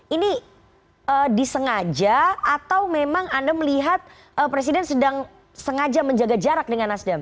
ini disengaja atau memang anda melihat presiden sedang sengaja menjaga jarak dengan nasdem